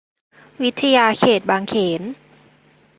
วิทยาเขตบางเขน